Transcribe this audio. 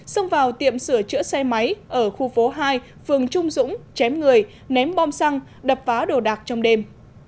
xông vào tiệm sửa chữa xe máy ở khu phố hai phường trung dũng chém người ném bom xăng đập phá đồ đạc trong đêm